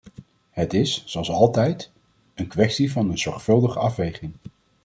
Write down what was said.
Het is, zoals altijd, een kwestie van een zorgvuldige afweging.